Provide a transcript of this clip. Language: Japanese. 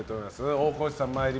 大河内さん